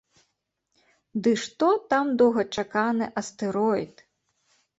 Ды што там доўгачаканы астэроід!